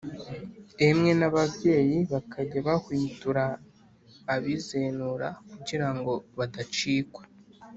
emwe n’ababyeyi bakajya bahwitura abizenura kugira ngo badacikwa